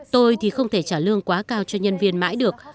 tôi thì không thể trả lương quá cao cho nhân viên mãi được